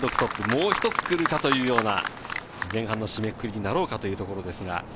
もうひとつ来るかというような前半の締めくくりなろうかというところです。